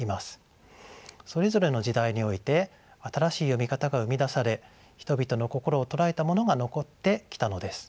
それぞれの時代において新しい読み方が生み出され人々の心を捉えたものが残ってきたのです。